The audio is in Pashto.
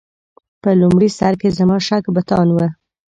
په لومړي سر کې زما شک بتان و.